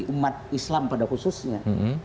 umat islam pada khususnya